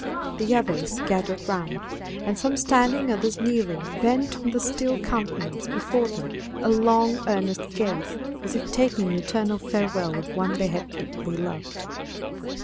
The others gathered round, and some standing, others kneeling, bent on the still countenance before them a long earnest gaze, as if taking an eternal farewell of one they had deeply loved.